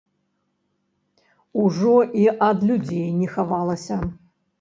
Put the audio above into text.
Ужо і ад людзей не хавалася.